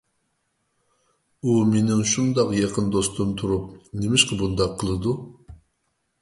ئۇ مېنىڭ شۇنداق يېقىن دوستۇم تۇرۇپ، نېمىشقا بۇنداق قىلىدۇ؟